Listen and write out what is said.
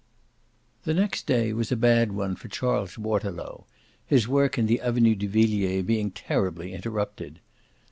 The next day was a bad one for Charles Waterlow, his work in the Avenue de Villiers being terribly interrupted.